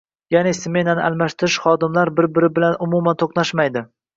Ya'ni, smenani almashtirgan xodimlar bir -biri bilan umuman to'qnashmaydi